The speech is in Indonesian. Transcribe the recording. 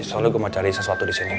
soalnya gua mau cari sesuatu disini